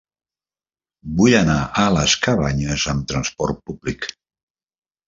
Vull anar a les Cabanyes amb trasport públic.